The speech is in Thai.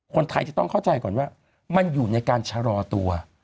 คนไทยจะต้องเข้าใจก่อนว่ามันอยู่ในการชะลอตัว